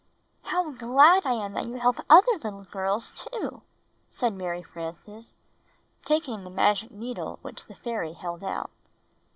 "How glad I am that you help other little girls, too," said Mary Frances, taking the magic needle which the fairy held out.